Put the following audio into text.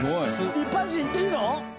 一般人行っていいの？